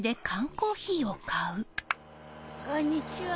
こんにちは。